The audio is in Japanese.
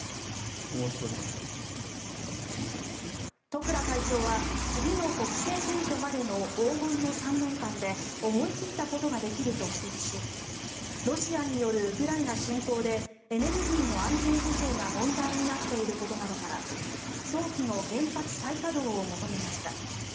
十倉会長は次の国政選挙までの黄金の３年間で思い切ったことができると指摘しロシアによるウクライナ侵攻でエネルギーの安全保障が問題になっていることなどから早期の原発再稼働を求めました。